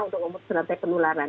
untuk memutus rantai penularan